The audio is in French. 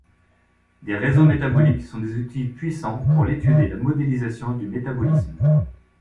Des réseaux métaboliques sont des outils puissants pour l'étude et la modélisation du métabolisme.